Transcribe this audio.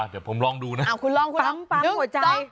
อะเดี๋ยวผมลองดูนะปั๊งปั๊งหัวใจพัง๑๒๓๔๕๖